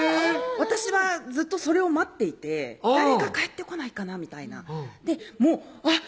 私はずっとそれを待っていて誰か帰ってこないかなみたいなあっ！